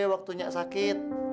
waktu nyak sakit